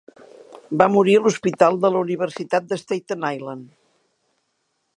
Va morir a l'hospital de la Universitat de Staten Island.